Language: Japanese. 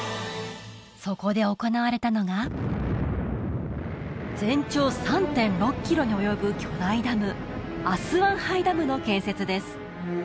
そこで行われたのが全長３．６キロに及ぶ巨大ダムアスワン・ハイ・ダムの建設です